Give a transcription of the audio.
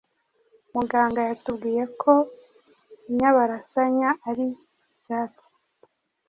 muganga yatubwiye ko inyabarasanya ari icyatsi